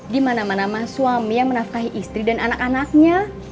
dimana mana suami yang menafkahi istri dan anak anaknya